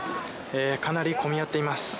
かなり混み合っています。